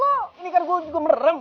ini kan gue juga merem